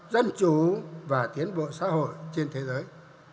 dân chủ và tiến bộ xã hội trên thế giới